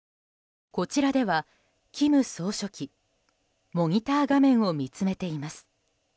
こちらでは、金総書記モニター画面を見つめています。